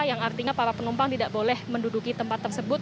yang artinya para penumpang tidak boleh menduduki tempat tersebut